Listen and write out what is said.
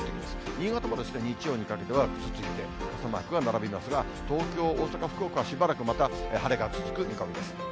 新潟も日曜にかけてはぐずついて傘マークが並びますが、東京、大阪、福岡はしばらくまた晴れが続く見込みです。